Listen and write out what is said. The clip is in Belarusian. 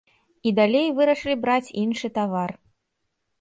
І далей вырашылі браць іншы тавар.